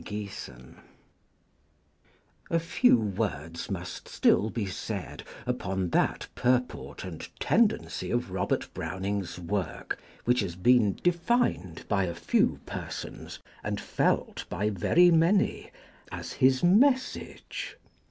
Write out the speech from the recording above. Conclusion A few words must still be said upon that purport and tendency of Robert Browning's work, which has been defined by a few persons, and felt by very many as his 'message'.